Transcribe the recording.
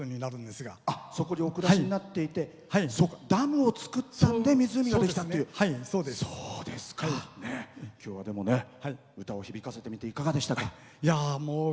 そこにお暮らしになっていてダムをつくったので湖ができたというきょうは、歌を響かせてみていかがでしたか？